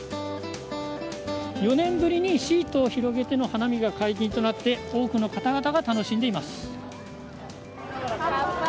４年ぶりにシートを広げての花見が解禁となって多くの方々が楽しんでいます。